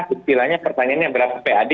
ketilanya pertanyaannya berapa pad